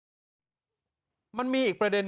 ส่วนบุคคลที่จะถูกดำเนินคดีมีกี่คนและจะมีพี่เต้ด้วยหรือเปล่า